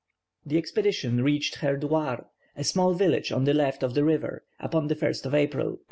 The expedition reached Herdouar, a small village on the left of the river, upon the 1st of April, 1808.